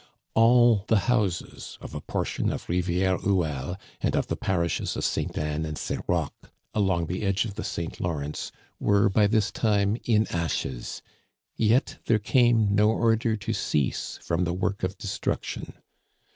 All the houses of a portion of Rivière Quelle, and of the parishes of Ste. Anne and St. Roch, along the edge of the St. Lawrence, were by this time in ashes, yet there came no order to cease from the work of destruction.